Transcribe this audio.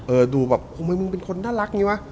เออดูแบบโฮเฮ้ยมึงเป็นน่ารักไงวะ